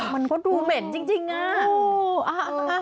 มันก็ดูเหม็นจริงน่ะอู้วอ่ะ